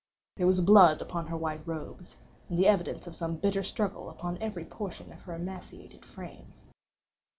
There was blood upon her white robes, and the evidence of some bitter struggle upon every portion of her emaciated frame.